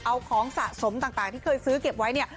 เอาของสะสมต่างที่เคยซื้อเก็บไว้เนี่ย